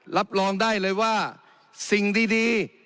รับรองได้เลยว่าสิ่งดี